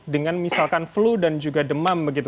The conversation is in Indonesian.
dengan misalkan flu dan juga demam begitu